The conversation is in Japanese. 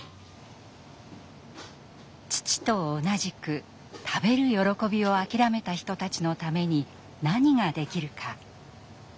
父と同じく食べる喜びを諦めた人たちのために何ができるか。